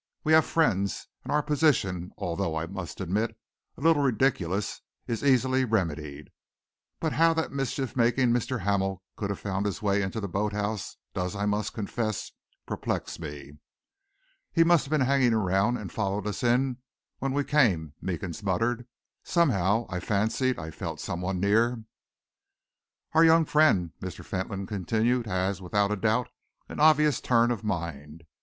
We have friends, and our position, although, I must admit, a little ridiculous, is easily remedied. But how that mischief making Mr. Hamel could have found his way into the boat house does, I must confess, perplex me." "He must have been hanging around and followed us in when we came," Meekins muttered. "Somehow, I fancied I felt some one near." "Our young friend," Mr. Fentolin continued, "has, without doubt, an obvious turn of mind.